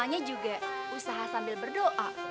rasanya juga usaha sambil berdoa